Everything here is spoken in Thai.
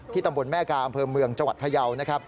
ที่ตำบลแม่กาอำเภอเมืองจังหวัดพยาว